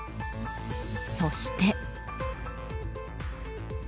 そして。